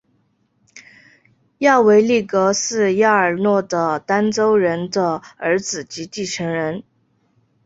亚维力格是亚尔诺的登丹人的儿子及继承人。